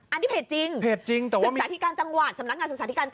อันที่เพจจริงสึกษาอิทกาลจังหวัดสำนักงานอิทกาลยะ